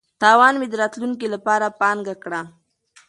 تاوان مې د راتلونکي لپاره پانګه کړه.